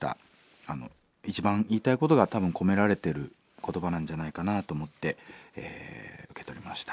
一番言いたいことが多分込められてる言葉なんじゃないかなあと思って受け取りました。